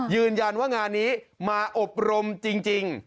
ยืนยันว่างานนี้มาอบรมจริง